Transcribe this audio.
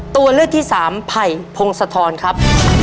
ตัวเลือกที่สามไผ่พงศธรครับ